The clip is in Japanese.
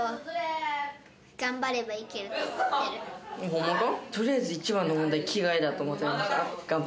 ホンマか？